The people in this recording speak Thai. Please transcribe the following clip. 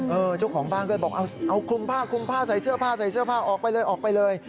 เออเจ้าของบ้านก็บอกเอาคุมผ้าใส่เสื้อผ้าออกไปเลย